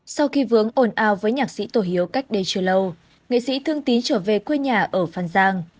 sau khi vướng ồn ào với nhạc sĩ tổ hiếu cách đây chưa lâu nghệ sĩ thương tý trở về quê nhà ở phan giang